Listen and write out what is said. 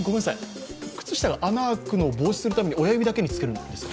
靴下が穴が開くのを防止するために、親指だけにつけるんですか？